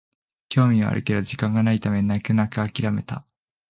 興味はあるけど時間がないため泣く泣くあきらめた